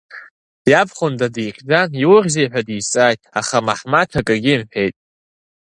Иабхәында дихьӡан, иухьзеи ҳәа дизҵааит, аха Маҳмаҭ акагьы имҳәеит.